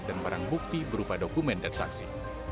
dan barang bukti berupa dokumen dan saksi